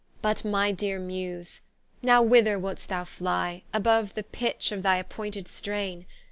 But my deare Muse, now whither wouldst thou flie, Aboue the pitch of thy appointed straine?